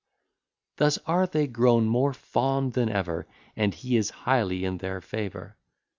Thus are they grown more fond than ever, And he is highly in their favour.